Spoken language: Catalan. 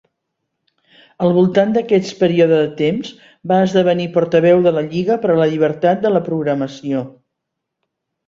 Al voltant d'aquest període de temps, va esdevenir portaveu de la Lliga per a la Llibertat de la Programació.